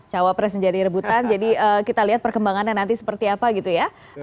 cawapres menjadi rebutan jadi kita lihat perkembangannya nanti seperti apa gitu ya